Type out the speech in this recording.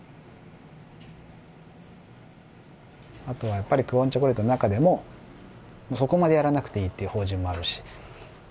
あとはやっぱり「久遠チョコレート」の中でもそこまでやらなくていいという法人もあるし。